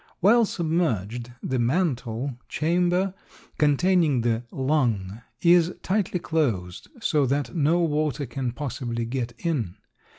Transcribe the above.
While submerged, the mantle chamber containing the "lung" is tightly closed so that no water can possibly get in.